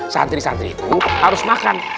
santri santri itu harus makan